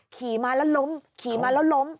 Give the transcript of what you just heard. ขี่มาแล้วล้มขี่มาแล้วล้ม